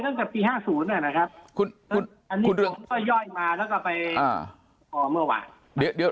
เรื่องกับปี๕๐น่ะนะครับพี่เย้ยมาแล้วก็ไป